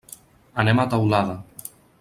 Anem a Teulada.